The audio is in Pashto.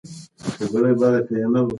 واکمن خوشاله شو.